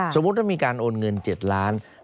สมมุติว่ามีการโอนเงิน๗ล้าน